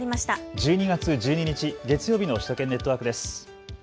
１２月１２日月曜日の首都圏ネットワークです。